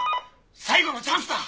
最後のチャンスだ！